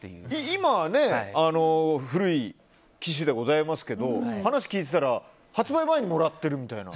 今、古い機種でございますけど話を聞いてたら発売前にもらってるみたいな。